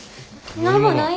何もない！